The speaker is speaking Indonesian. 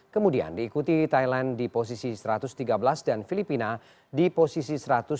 kemudian diikuti thailand di posisi satu ratus tiga belas dan filipina di posisi satu ratus tujuh puluh